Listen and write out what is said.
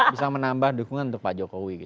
bisa menambah dukungan untuk pak jokowi